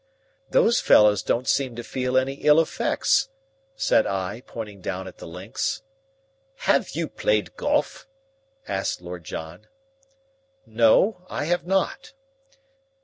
"Those fellows don't seem to feel any ill effects," said I, pointing down at the links. "Have you played golf?" asked Lord John. "No, I have not."